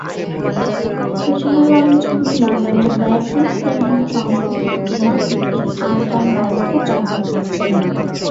সূচনা লগ্নে তিনি লন্ডনের ওয়ারউইক ট্রেডিং সংস্থা থেকে কেনা একটি আরবান বায়োস্কোপ ব্যবহার করেছিলেন।